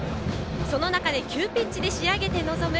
その中で急ピッチで仕上げて臨む